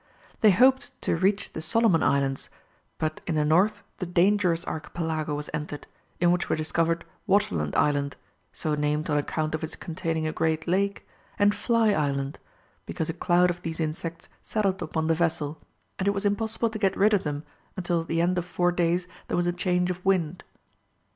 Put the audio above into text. They hoped to reach the Solomon Islands, but in the north the Dangerous Archipelago was entered, in which were discovered Waterland Island so named on account of its containing a great lake and Fly Island, because a cloud of these insects settled upon the vessel, and it was impossible to get rid of them until at the end of four days there was a change of wind.